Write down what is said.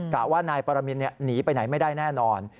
ว่านายปรมินหนีไปไหนไม่ได้แน่นอน